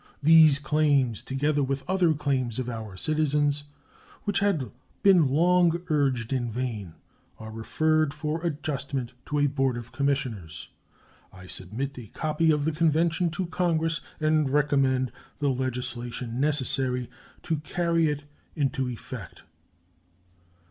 These claims, together with other claims of our citizens which had been long urged in vain, are referred for adjustment to a board of commissioners. I submit a copy of the convention to Congress, and recommend the legislation necessary to carry it into effect.